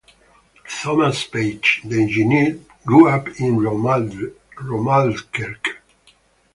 Thomas Page, the engineer, grew up in Romaldkirk.